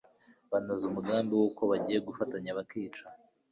banoza umugambi wuko bagiye gufatanya bakica